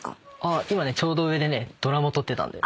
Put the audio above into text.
今ねちょうど上でねドラマ撮ってたんだよ。